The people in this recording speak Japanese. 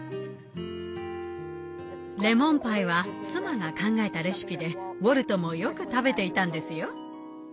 レモンパイは妻が考えたレシピでウォルトもよく食べていたんですよ。